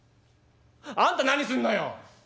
「あんた何すんのよ！？